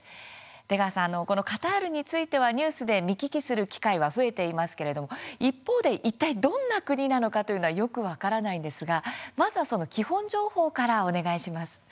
出川さん、カタールについてはニュースで見聞きする機会が増えていますけれども一方で、いったいどんな国なのかというのはよく分からないんですがまずは、その基本情報からお願いします。